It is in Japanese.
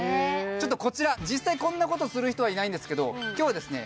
ちょっとこちら実際こんなことする人はいないんですけど今日はですね